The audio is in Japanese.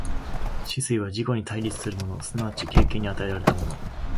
思惟は自己に対立するもの即ち経験に与えられたもの、